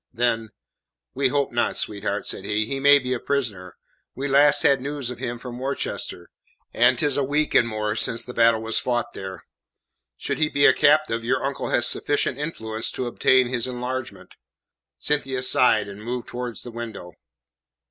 Then "We hope not, sweetheart," said he. "He may be a prisoner. We last had news of him from Worcester, and 'tis a week and more since the battle was fought there. Should he be a captive, your uncle has sufficient influence to obtain his enlargement." Cynthia sighed, and moved towards the window.